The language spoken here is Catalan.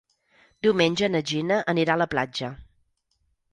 Diumenge na Gina anirà a la platja.